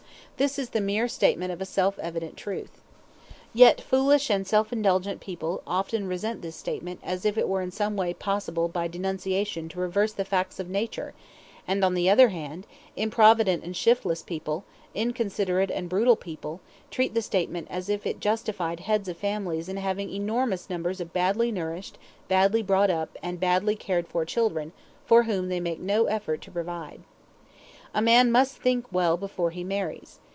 This is the mere statement of a self evident truth. Yet foolish and self indulgent people often resent this statement as if it were in some way possible by denunciation to reverse the facts of nature; and, on the other hand, improvident and shiftless people, inconsiderate and brutal people, treat the statement as if it justified heads of families in having enormous numbers of badly nourished, badly brought up, and badly cared for children for whom they make no effort to provide. A man must think well before he marries.